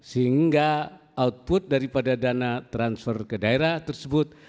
sehingga output daripada dana transfer ke daerah tersebut